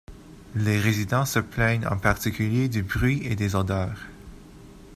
Les résidents se plaignent en particulier du bruit et des odeurs.